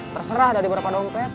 terserah dari berapa dompet